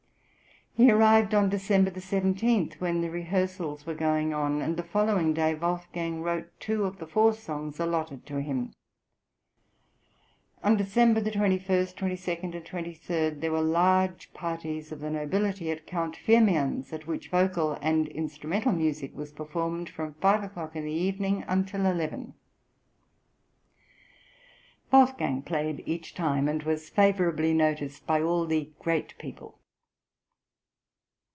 He arrived on December 17, when the rehearsals were going on, and the following day Wolfgang wrote two of the four songs allotted to him. On December 21, 22, and 23 there were large parties of the nobility at Count Firmian's, at which vocal and instrumental music was performed from five o'clock in the evening until eleven. Wolfgang played each time, and was favourably noticed by all the great people.